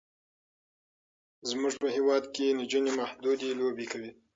زمونږ په هیواد کې نجونې محدودې لوبې کوي.